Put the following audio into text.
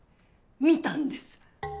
見たんです。